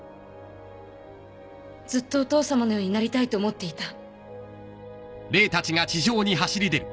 ずっとお父さまのようになりたいと思っていた。